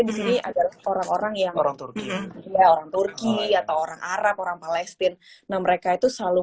disini agar orang orang yang orang orang turki atau orang arab orang palestina mereka itu selalu